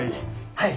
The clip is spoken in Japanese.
はい。